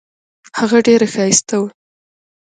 هغه ډیره ښایسته وه.